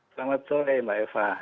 selamat sore mbak eva